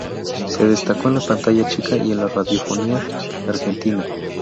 Se destacó en la pantalla chica y la radiofonía argentina.